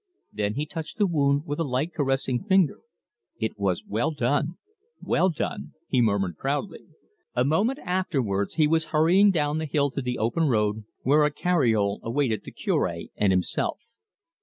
Then he touched the wound with a light caressing finger. "It was well done, well done," he murmured proudly. A moment afterwards he was hurrying down the hill to the open road, where a cariole awaited the Cure and himself.